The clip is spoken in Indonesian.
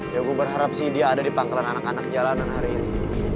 ya gue berharap sih dia ada di pangkalan anak anak jalanan hari ini